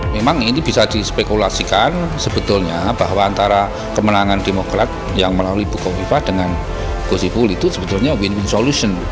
memang ini bisa dispekulasikan sebetulnya bahwa antara kemenangan demokrat yang melalui kofifa dengan gosipul itu sebetulnya win win solution